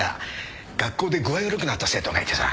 学校で具合悪くなった生徒がいてさ。